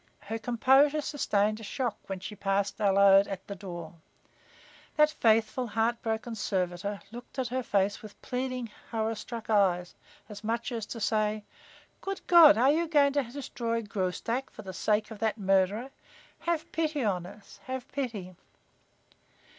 Her composure sustained a shock when she passed Allode at the door. That faithful, heart broken servitor looked at her face with pleading, horror struck eyes as much as to say: "Good God, are you going to destroy Graustark for the sake of that murderer? Have pity on us have pity!"